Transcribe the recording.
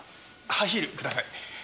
ハイヒールください。